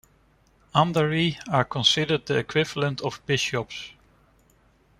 Andari are considered the equivalent of bishops.